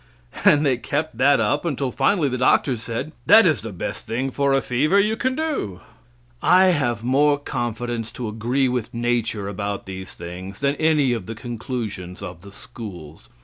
And they kept that up until finally the doctors said, "that is the best thing for a fever you can do." I have more confidence to agree with nature about these things than any of the conclusions of the schools.